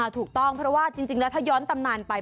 ถูกต้องเพราะว่าจริงแล้วถ้าย้อนตำนานไป